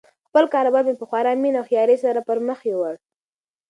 خپل کاروبار مې په خورا مینه او هوښیاري سره پرمخ یووړ.